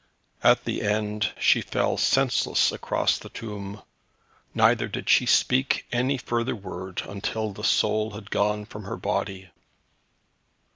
At the end she fell senseless across the tomb, neither did she speak any further word until the soul had gone from her body.